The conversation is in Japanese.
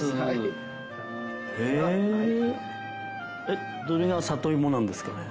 えっどれが里いもなんですかね？